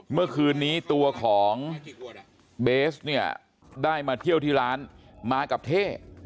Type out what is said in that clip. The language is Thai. เมื่อคืนนี้ตัวของเบสเนี่ยได้มาเที่ยวที่ร้านมากับเท่